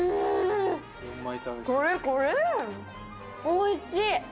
おいしい！